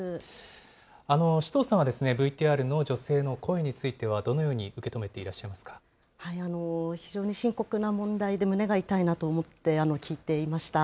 首藤さんは、ＶＴＲの女性の声については、どのように受け止非常に深刻な問題で、胸が痛いなと思って聞いていました。